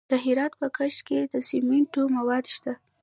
د هرات په کشک کې د سمنټو مواد شته.